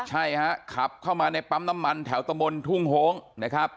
ใช่ฮะขับเข้ามาในปั๊มน้ำมันแถวตะมนต์ทุ่งโฮงนะครับ